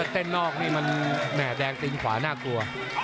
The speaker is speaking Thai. นอกนี่มันแห่แดงตีนขวาน่ากลัว